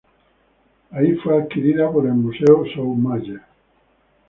Ahí fue adquirida por Museo Soumaya